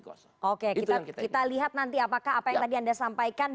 oke kita lihat nanti apakah apa yang tadi anda sampaikan